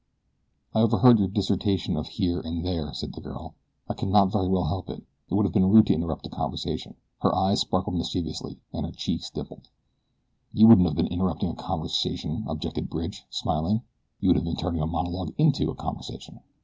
"I overheard your dissertation on HERE AND THERE," said the girl. "I could not very well help it it would have been rude to interrupt a conversation." Her eyes sparkled mischievously and her cheeks dimpled. "You wouldn't have been interrupting a conversation," objected Bridge, smiling; "you would have been turning a monologue into a conversation."